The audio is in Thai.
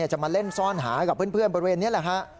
จะมาเล่นซ่อนหากับเพื่อนบริเวณนี้แหละฮะ